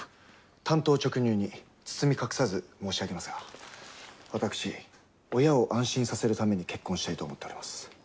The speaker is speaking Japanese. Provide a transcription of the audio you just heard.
単刀直入に包み隠さず申し上げますが私親を安心させるために結婚したいと思っております。